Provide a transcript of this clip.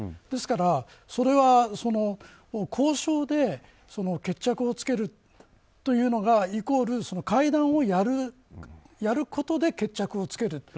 ですから、それは交渉で決着をつけるというのがイコール会談をやることで決着をつける。